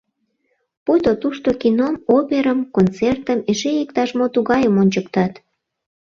Пуйто тушто кином, оперым, концертым, эше иктаж-мо тугайым ончыктат.